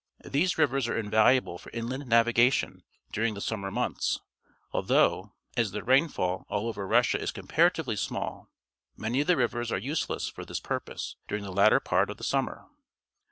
These rivers are invalu able for inland navigation during the summer months, although, as the rainfall all over Russia is comparatively small, many of the rivers are useless for tliis purpose during the latter part of the summer.